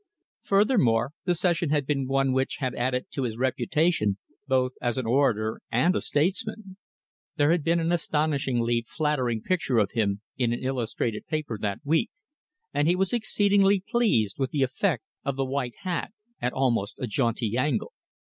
Furthermore, the session had been one which had added to his reputation both as an orator and a statesman. There had been an astonishingly flattering picture of him in an illustrated paper that week, and he was exceedingly pleased with the effect of the white hat which he was wearing at almost a jaunty angle.